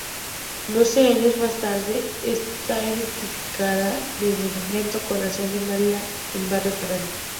Doce años más tarde está edificada el monumento Corazón de María en Barrio Peral.